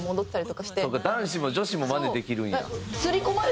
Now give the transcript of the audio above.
そうか男子も女子もマネできるんや。